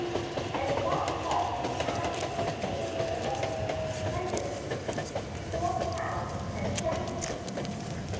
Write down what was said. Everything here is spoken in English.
"And what had you actually paid for the paste pen dant?" "Four pounds ten shillings."